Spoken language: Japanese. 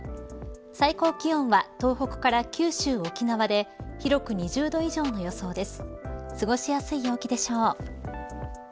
最高気温は東北から九州、沖縄で広く２０度以上の予想です。